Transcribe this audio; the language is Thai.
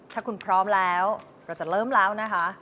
ถ้าคุณพร้อมแล้วเราจะเริ่มแล้วนะคะ